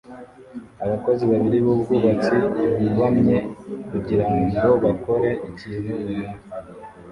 Abakozi babiri b'ubwubatsi bubamye kugirango bakore ikintu runaka